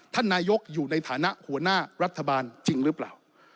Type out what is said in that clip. ท่านนายกอยู่ในฐานะหัวหน้ารัฐบาลจริงหรือเปล่า